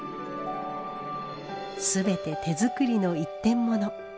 全て手作りの一点もの。